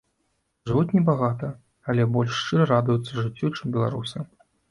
Жывуць небагата, але больш шчыра радуюцца жыццю, чым беларусы.